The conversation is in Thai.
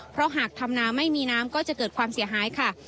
เพราะหากทำนาไม่มีน้ำก็จะเกิดความเสียหายค่ะ